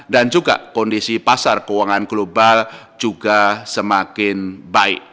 dan juga kondisi pasar keuangan global juga semakin baik